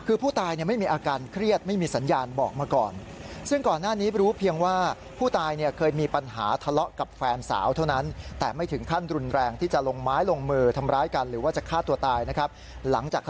คือผู้ตายไม่มีอาการเครียดไม่มีสัญญาณบอกมาก่อน